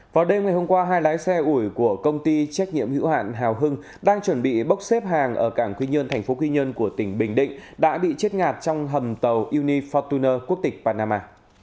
vào đêm ngày hôm qua hai lái xe ủi của công ty trách nhiệm hữu hạn hào hưng đang chuẩn bị bốc xếp hàng ở cảng quy nhơn thành phố quy nhơn của tỉnh bình định đã bị chết ngạt trong hầm tàu uni fortuner quốc tịch panama